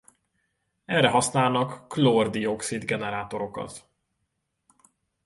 Erre használnak klór-dioxid generátorokat.